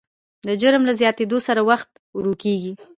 د جرم له زیاتېدو سره وخت ورو کېږي.